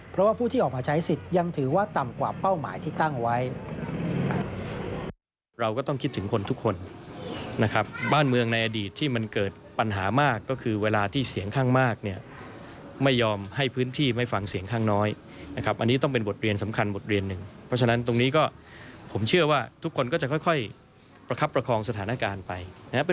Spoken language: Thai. เพราะว่าผู้ที่ออกมาใช้สิทธิ์ยังถือว่าต่ำกว่าเป้าหมายที่ตั้งไว้